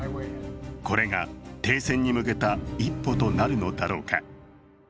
これが停戦に向けた一歩となるのだろうか。